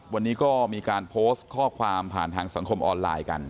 วันนี้ก็มีการโพสต์ข้อความผ่านทางสังคมออนไลน์กัน